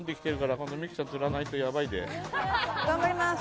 頑張ります